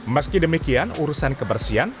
meski demikian urusan kebersihan